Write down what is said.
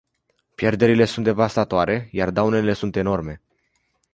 Pierderile sunt devastatoare, iar daunele sunt enorme.